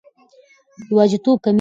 یوازیتوب کمېږي.